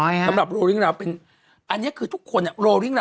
ใช้เงินไปทั้งหมด